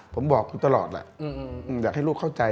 ผมบอกคุณตลอดแหละอยากให้ลูกเข้าใจ